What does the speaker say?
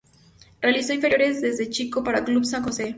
Realizó inferiores desde chico para Club San Jose.